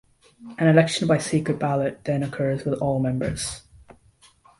An election by secret ballot then occurs with all members.